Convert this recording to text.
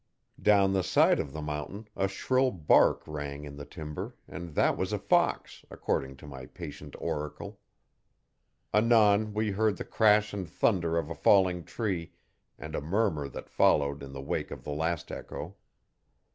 Down the side of the mountain a shrill bark rang in the timber and that was a fox, according to my patient oracle. Anon we heard the crash and thunder of a falling tree and a murmur that followed in the wake of the last echo.